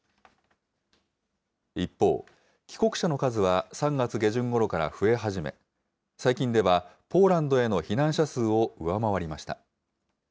一方、帰国者の数は３月下旬ごろから増え始め、最近では、ポーランドへの避難者数を上回りました。